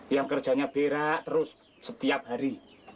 yang kerjanya beda terus setiap hari